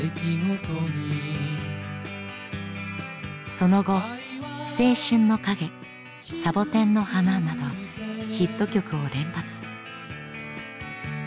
その後「青春の影」「サボテンの花」などヒット曲を連発。